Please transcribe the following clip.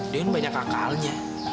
dia kan banyak akalnya